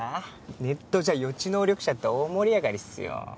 ネットじゃ予知能力者って大盛り上がりっすよ。